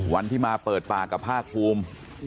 วันที่มาเปิดปากกับภาคภูมิ